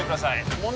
問題